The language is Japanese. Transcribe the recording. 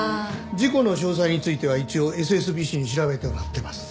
事故の詳細については一応ＳＳＢＣに調べてもらってます。